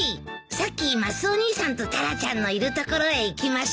さっきマスオ兄さんとタラちゃんのいるところへ行きました。